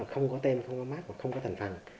không có tem không có mát không có thành phần